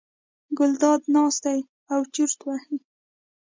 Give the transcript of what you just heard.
ګلداد ناست دی او چورت وهي.